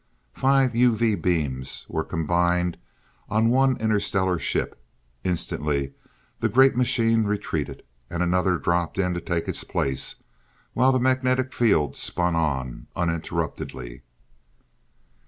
Five UV beams were combined on one interstellar ship. Instantly the great machine retreated, and another dropped in to take its place while the magnetic field spun on, uninterruptedly.